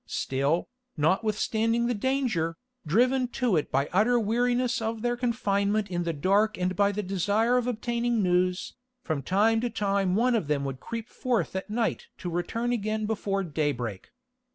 Still, notwithstanding the danger, driven to it by utter weariness of their confinement in the dark and by the desire of obtaining news, from time to time one of them would creep forth at night to return again before daybreak.